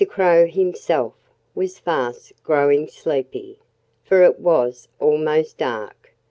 Crow himself was fast growing sleepy, for it was almost dark.